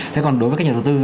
thế còn đối với các nhà đầu tư